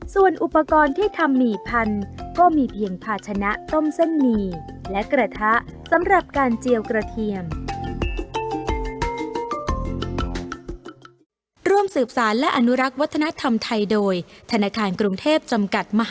ส่วนอุปกรณ์ที่ทำหมี่พันธุ์ก็มีเพียงภาชนะต้มเส้นหมี่และกระทะสำหรับการเจียวกระเทียม